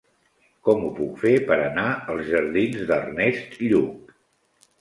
Com ho puc fer per anar als jardins d'Ernest Lluch?